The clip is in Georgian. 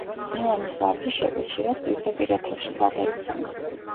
მილანის ვარჯიშები ხშირად პირდაპირ ეთერში გადაიცემა.